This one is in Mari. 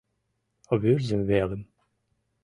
Вӱрзым велым.